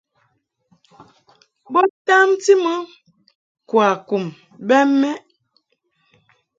Bo tamti mɨ kwakum bɛ mɛʼ.